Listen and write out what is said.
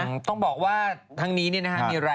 สนับสนุนโดยดีที่สุดคือการให้ไม่สิ้นสุด